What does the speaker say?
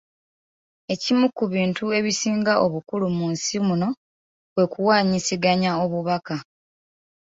Ekimu ku bintu ebisinga obukulu mu nsi muno kwe kuwaanyisiganya obubaka.